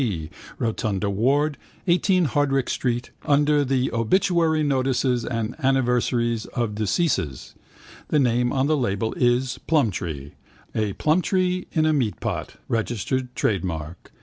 P., Rotunda Ward, 19 Hardwicke street, under the obituary notices and anniversaries of deceases. The name on the label is Plumtree. A plumtree in a meatpot, registered trade mark.